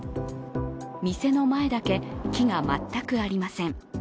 店の前だけ、木が全くありません。